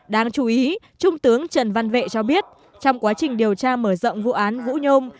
đáng chú ý trung tướng trần văn vệ cho biết trong quá trình điều tra mở rộng vụ án vũ nhôm